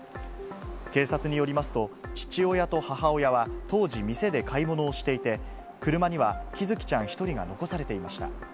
警察によりますと、父親と母親は当時、店で買い物をしていて、車にはきずきちゃん１人が残されていました。